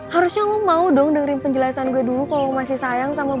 harusnya lo mau dong dengerin penjelasan gue dulu kalau masih sayang sama mama